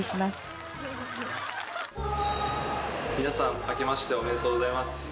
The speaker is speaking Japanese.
皆さんあけましておめでとうございます。